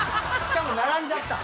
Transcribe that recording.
しかも並んじゃった。